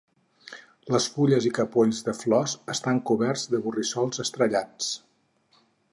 Les fulles i capolls de flors estan coberts de borrissols estrellats.